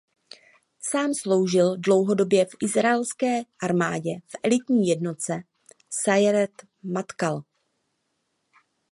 Sám sloužil dlouhodobě v izraelské armádě v elitní jednotce Sajeret Matkal.